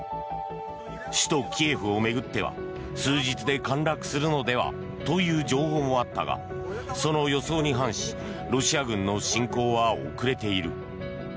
首都キエフを巡っては数日で陥落するのではという情報もあったがその予想に反しロシア軍の侵攻は遅れている。